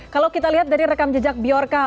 kalau kita lihat dari rekam jejak bjorka